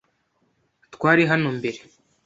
Twari hano mbere.